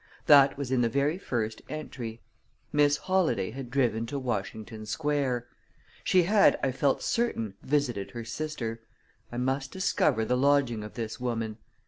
That was in the very first entry. Miss Holladay had driven to Washington Square; she had, I felt certain, visited her sister; I must discover the lodging of this woman.